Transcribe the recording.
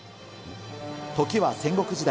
時は戦国時代。